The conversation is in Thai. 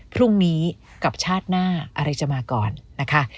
พรุ่งนี้กับชาติหน้าอะไรจะมาก่อนนะคะ